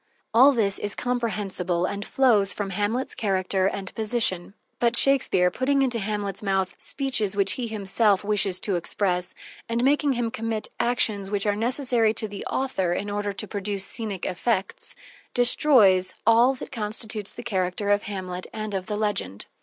All this is comprehensible and flows from Hamlet's character and position. But Shakespeare, putting into Hamlet's mouth speeches which he himself wishes to express, and making him commit actions which are necessary to the author in order to produce scenic effects, destroys all that constitutes the character of Hamlet and of the legend.